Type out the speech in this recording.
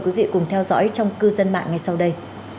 quý vị cùng theo dõi trong cư dân mạng ngay sau đây